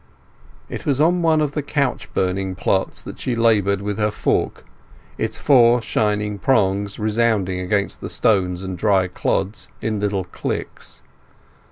It was on one of the couch burning plots that she laboured with her fork, its four shining prongs resounding against the stones and dry clods in little clicks.